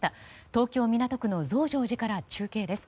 東京・港区の増上寺から中継です。